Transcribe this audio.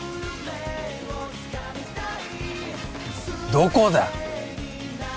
どこだ？